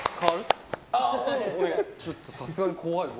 ちょっと、さすがに怖い。